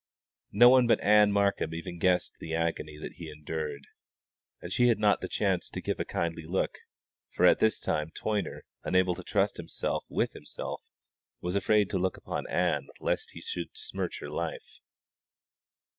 No one but Ann Markham even guessed the agony that he endured, and she had not the chance to give a kindly look, for at this time Toyner, unable to trust himself with himself, was afraid to look upon Ann lest he should smirch her life.